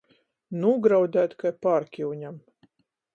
Nūgraudēt kai pārkyuņam.